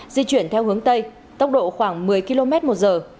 di chuyển theo hướng tây tốc độ khoảng một mươi km một giờ